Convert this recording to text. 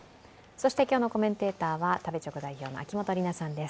そして今日のコメンテーターは食べチョク代表の秋元里奈さんです。